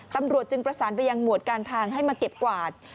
ตำรวจจึงประสานไปยังหมวดการทางให้มาเก็บกวาด